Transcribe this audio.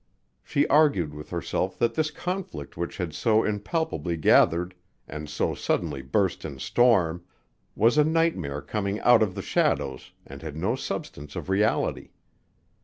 She argued with herself that this conflict which had so impalpably gathered and so suddenly burst in storm was a nightmare coming out of the shadows and had no substance of reality.